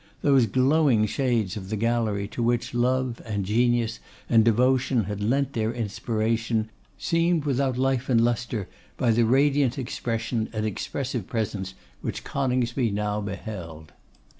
Those glowing shades of the gallery to which love, and genius, and devotion had lent their inspiration, seemed without life and lustre by the radiant expression and expressive presence which Coningsby now beheld.